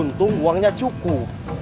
untung uangnya cukup